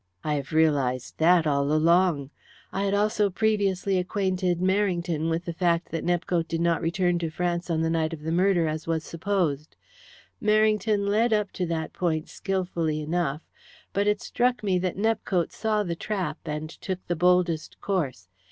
I have realized that all along. I had also previously acquainted Merrington with the fact that Nepcote did not return to France on the night of the murder, as was supposed. Merrington led up to that point skilfully enough, but it struck me that Nepcote saw the trap, and took the boldest course.